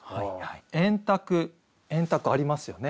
円卓円卓ありますよね。